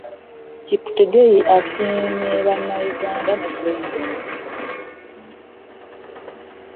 Cheptegei asiimye bannayuganda ne pulezidenti.